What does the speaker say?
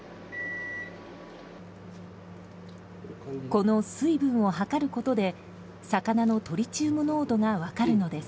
この水分を測ることで魚のトリチウム濃度が分かるのです。